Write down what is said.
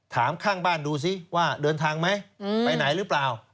ข้างบ้านดูสิว่าเดินทางไหมไปไหนหรือเปล่า